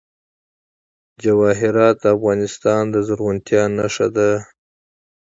جواهرات د افغانستان د زرغونتیا نښه ده.